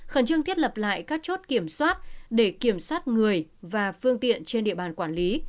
khẩn trương thiết lập lại các chốt kiểm soát để kiểm soát người và phương tiện trên địa bàn quản lý